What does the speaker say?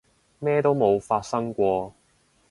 咩都冇發生過